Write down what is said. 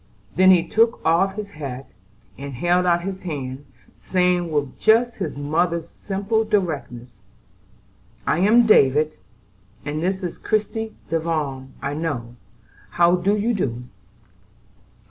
Then he took off his hat, and held out his hand, saying with just his mother's simple directness: "I am David; and this is Christie Devon, I know. How do you do?"